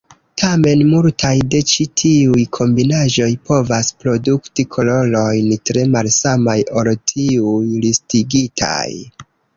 Tamen, multaj de ĉi tiuj kombinaĵoj povas produkti kolorojn tre malsamajn ol tiuj listigitaj.